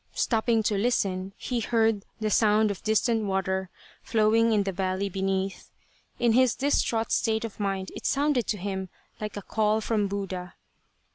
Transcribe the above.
Stopping to listen, he heard the sound of distant water flowing in the valley beneath. In his distraught state of mind it sounded to him like a call from Buddha.